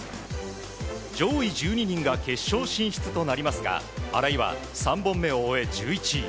上位１２人が決勝進出となりますが荒井は３本目を終え１１位。